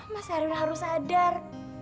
mas erwin harus sadar